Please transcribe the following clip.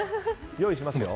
用意しますよ。